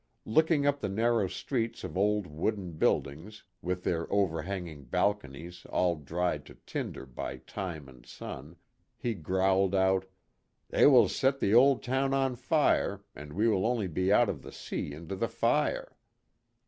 Looking up the narrow streets of old wooden buildings, with their overhanging 72 A PICNIC NEAR THE EQUATOR. balconies all dried to tinder by time and sun, he growled out, " They will set the old town on fire, and we will only be out of the sea into the fire."